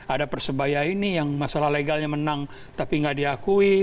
ada persebaya ini yang masalah legalnya menang tapi nggak diakui